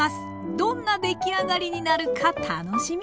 どんなできあがりになるか楽しみ！